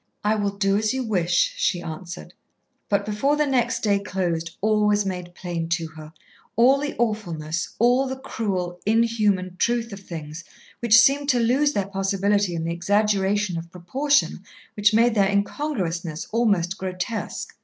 "I will do as you wish," she answered. But before the next day closed all was made plain to her, all the awfulness, all the cruel, inhuman truth of things which seemed to lose their possibility in the exaggeration of proportion which made their incongruousness almost grotesque.